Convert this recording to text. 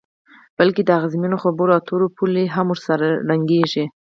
بلکې د اغیزمنو خبرو اترو پولې هم ورسره ړنګیږي.